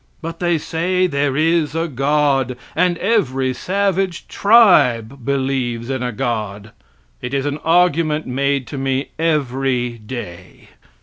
But they say there is a god, and every savage tribe believes in a God. It is an argument made to me every day.